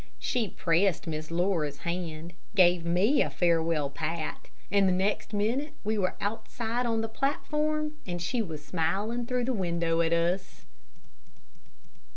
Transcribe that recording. She pressed Miss Laura's hand, gave me a farewell pat, and the next minute we were outside on the platform, and she was smiling through the window at us.